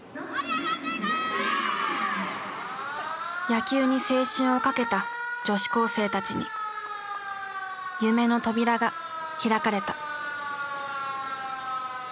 野球に青春をかけた女子高生たちに夢の扉が開かれた。